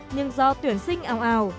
nhưng do tuyển sinh ao ao